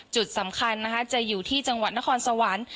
จุดสำคัญนะคะจะอยู่ที่จังหวัดนครสวรรค์